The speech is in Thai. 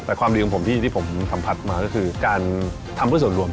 แต่ความดีที่ผมทำพัดมาก็คือการทำผู้ส่วนรวม